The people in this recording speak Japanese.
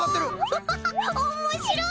ハハハッおもしろい！